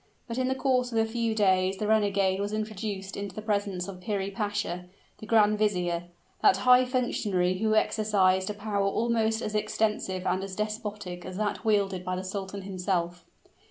But in the course of a few days the renegade was introduced into the presence of Piri Pasha, the grand vizier that high functionary who exercised a power almost as extensive and as despotic as that wielded by the sultan himself.